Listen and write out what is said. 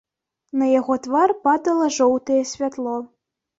На яго твар падала жоўтае святло.